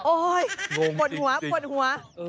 โอ้ยปลดหัว